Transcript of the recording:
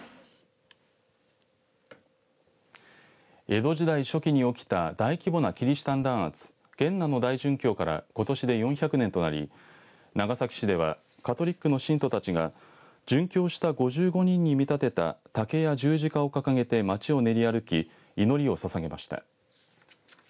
江戸時代初期に起きた大規模なキリシタン弾圧、元和の大殉教からことしで４００年となり長崎市ではカトリックの信徒たちが殉教した５５人に見立てた竹や十字架を掲げて街を練り歩き祈りを捧げました。